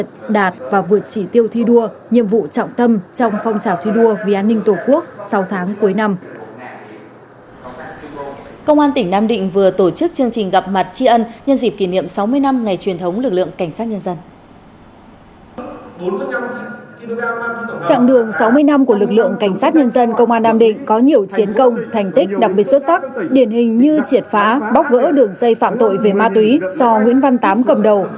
sáu mươi năm của lực lượng cảnh sát nhân dân công an nam định có nhiều chiến công thành tích đặc biệt xuất sắc điển hình như triệt phá bóc gỡ đường dây phạm tội về ma túy do nguyễn văn tám cầm đầu